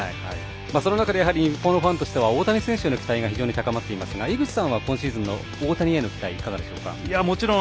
その中で、日本のファン大谷選手への期待が高まっていますが井口さんは今シーズン大谷への期待いかがでしょうか。